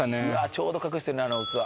ちょうど隠してるなあの器。